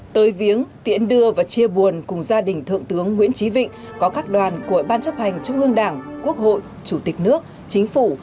tới viếng tiễn đưa và chia buồn cùng gia đình thượng tướng nguyễn trí vịnh có các đoàn của ban chấp hành trung ương đảng quốc hội chủ tịch nước chính phủ